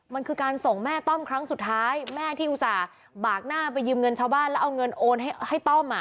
มันคือการส่งแม่ต้อมครั้งสุดท้ายแม่ที่อุตส่าห์บากหน้าไปยืมเงินชาวบ้านแล้วเอาเงินโอนให้ต้อม